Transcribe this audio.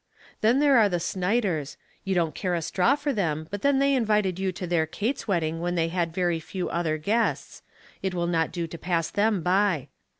Then there are the Snyders; you don't care a straw for them, but then they invited you to their Kate's wedding when they had very few other guests ; it will not do to pass them by.